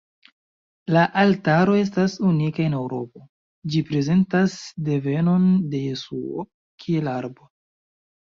La altaro estas unika en Eŭropo, ĝi prezentas devenon de Jesuo, kiel arbo.